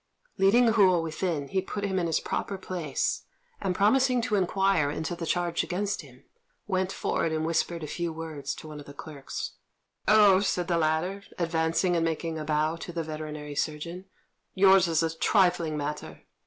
Leading Hou within he put him in his proper place, and, promising to inquire into the charge against him, went forward and whispered a few words to one of the clerks. "Oh," said the latter, advancing and making a bow to the veterinary surgeon, "yours is a trifling matter.